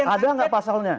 ada enggak pasalnya